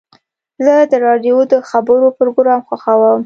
زه د راډیو د خبرو پروګرام خوښوم.